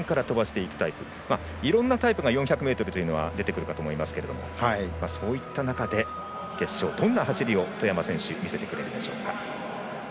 いろんなタイプというのが４００ｍというのは出てくると思いますけどそういった中で決勝どんな走りを外山選手見せてくれるでしょうか。